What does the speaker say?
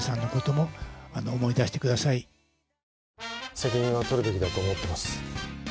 責任を取るべきだと思っています。